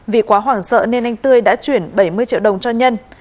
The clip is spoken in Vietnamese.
vì quá hoảng sợ nên anh tươi đã chuyển bảy mươi triệu đồng cho nhân